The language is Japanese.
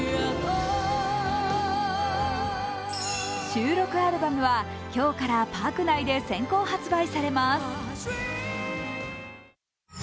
収録アルバムは今日からパーク内で先行発売されます。